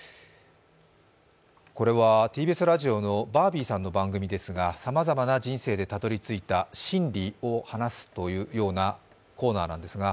これはＴＢＳラジオのバービーさんの番組ですがさまざまな人生でたどり着いた真理を話すというコーナーなんですが。